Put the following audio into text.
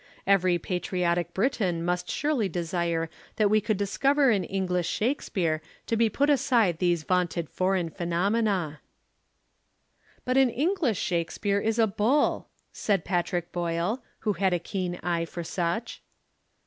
Every patriotic Briton must surely desire that we could discover an English Shakespeare to put beside these vaunted foreign phenomena." "But an English Shakespeare is a bull," said Patrick Boyle, who had a keen eye for such.